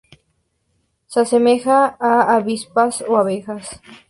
Se asemejan a avispas o abejas.